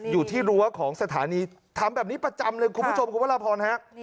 รั้วของสถานีทำแบบนี้ประจำเลยคุณผู้ชมคุณพระราพรฮะ